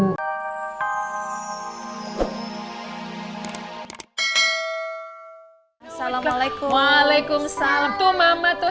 assalamualaikum waalaikumsalam tuh mama tuh